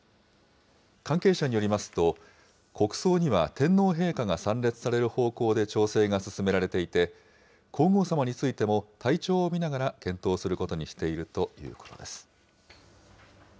関係者によりますと、国葬には天皇陛下が参列される方向で調整が進められていて、皇后さまについても体調を見ながら、検討することにしているということです。